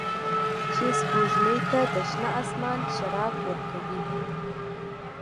چې سپوږمۍ ته د شنه اسمان شراب ورکوي